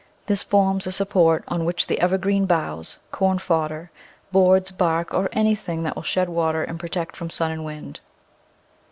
This forms a support on which the ever green boughs, corn fodder, boards, bark, or anything that will shed water and protect from sun and wind.